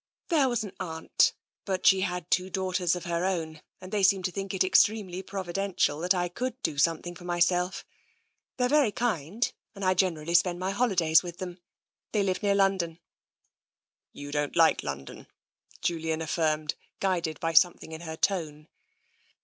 " There was an aunt, but she had two daughters of her own, and they seemed to think it extremely provi dential that I could do something for myself. They are very kind, and I generally spend my holidays with them. They live near London." 70 TENSION " You don't like London/' Julian affirmed, guided by something in her tone.